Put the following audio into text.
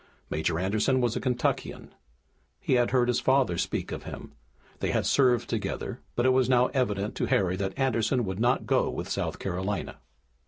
Major Anderson was a Kentuckian. He had heard his father speak of him; they had served together, but it was now evident to Harry that Anderson would not go with South Carolina.